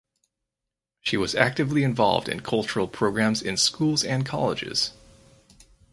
She was actively involved in cultural programmes in Schools and Colleges.